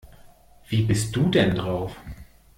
Wie bist du denn drauf?